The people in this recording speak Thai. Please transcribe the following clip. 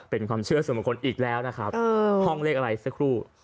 เป็นความเชื่อส่วนบุคคลอีกแล้วนะครับห้องเลขอะไรสักครู่